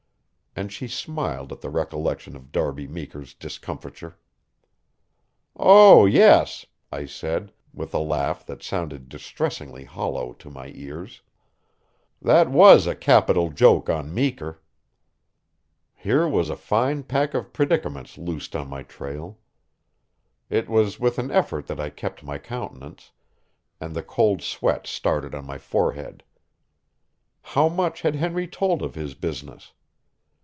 And she smiled at the recollection of Darby Meeker's discomfiture. "Oh, yes," I said, with a laugh that sounded distressingly hollow to my ears. "That was a capital joke on Meeker." Here was a fine pack of predicaments loosed on my trail. It was with an effort that I kept my countenance, and the cold sweat started on my forehead. How much had Henry told of his business?